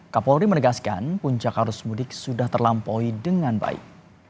kapolri menegaskan puncak arus mudik sudah terlampaui dengan baik